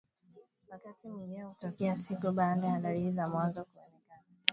wakati mwingine hutokea siku baada ya dalili za mwanzo kuonekana